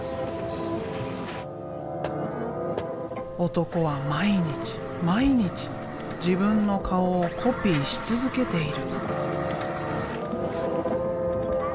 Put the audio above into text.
男は毎日毎日自分の顔をコピーし続けている。